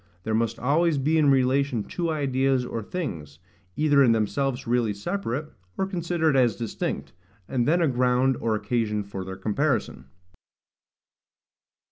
There must always be in relation two ideas or things, either in themselves really separate, or considered as distinct, and then a ground or occasion for their comparison.